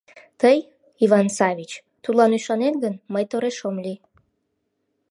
Тый, Иван Саввич, тудлан ӱшанет гын, мый тореш ом лий.